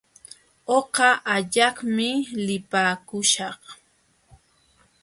Uqa allaqmi lipaakuśhaq.